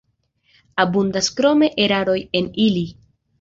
Abundas krome eraroj en ili.